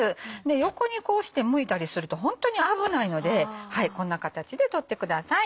横にこうしてむいたりするとホントに危ないのでこんな形で取ってください。